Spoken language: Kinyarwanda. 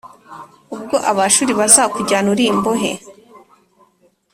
ubwo Abashuri bazakujyana uri imbohe